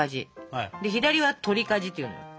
左は取りかじっていうのよ。